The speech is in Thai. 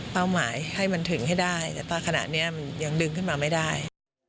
หมายให้มันถึงให้ได้แต่ว่าขณะนี้มันยังดึงขึ้นมาไม่ได้